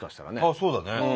そうだね。